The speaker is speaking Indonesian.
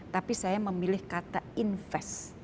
tapi saya memilih kata invest